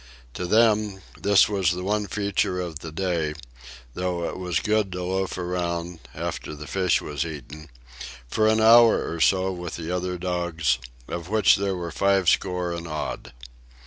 To them, this was the one feature of the day, though it was good to loaf around, after the fish was eaten, for an hour or so with the other dogs, of which there were fivescore and odd.